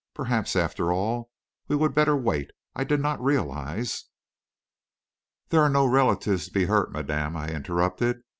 "Perhaps, after all, we would better wait. I did not realise...." "There are no relatives to be hurt, madame," I interrupted.